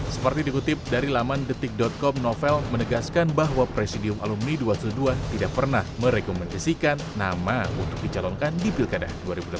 seperti dikutip dari laman detik com novel menegaskan bahwa presidium alumni dua ratus dua belas tidak pernah merekomendasikan nama untuk dicalonkan di pilkada dua ribu delapan belas